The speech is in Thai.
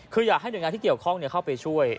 คืออยากให้หน่วยงานที่เกี่ยวข้องเข้าไปช่วย